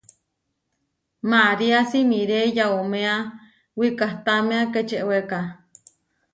María simiré yauméa wikahtámea Kečewéka.